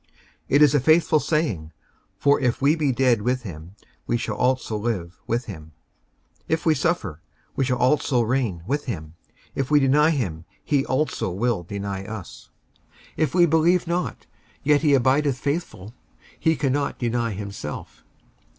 55:002:011 It is a faithful saying: For if we be dead with him, we shall also live with him: 55:002:012 If we suffer, we shall also reign with him: if we deny him, he also will deny us: 55:002:013 If we believe not, yet he abideth faithful: he cannot deny himself.